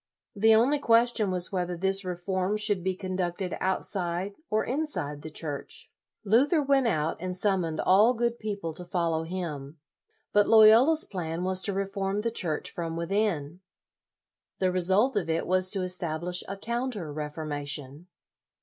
The only question was whether this reform should be conducted outside or inside the Church. Luther went out, and summoned all good people to follow him. But Loyola's plan was to reform the Church from within. The result of it was to establish a counter reformation.